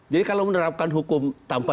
kalau menerapkan hukum tanpa